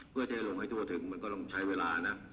เพื่อเทลงให้ทั่วถึงมันก็ต้องใช้เวลานะ